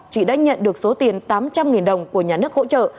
chị đã nhận được số tiền tám trăm linh đồng của nhà nước hỗ trợ